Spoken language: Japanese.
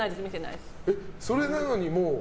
それなのにもう？